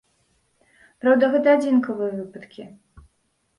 Праўда, гэта адзінкавыя выпадкі.